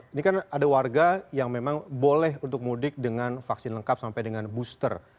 ini kan ada warga yang memang boleh untuk mudik dengan vaksin lengkap sampai dengan booster